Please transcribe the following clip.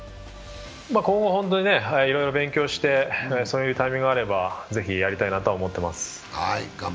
今後、本当にね、いろいろ勉強して、そういうタイミングがあれば、是非やりたいなとは思っています。